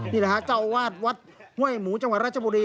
นี่แหละฮะเจ้าอาวาสวัดห้วยหมูจังหวัดราชบุรี